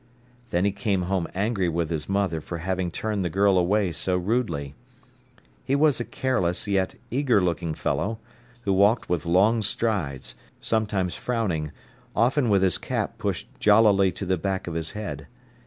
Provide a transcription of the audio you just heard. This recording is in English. Then he came home angry with his mother for having turned the girl away so rudely. He was a careless, yet eager looking fellow, who walked with long strides, sometimes frowning, often with his cap pushed jollily to the back of his head.